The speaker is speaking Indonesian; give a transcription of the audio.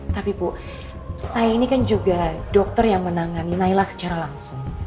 tapi bu saya ini kan juga dokter yang menangani naila secara langsung